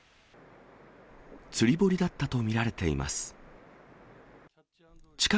釣堀だったと見られています。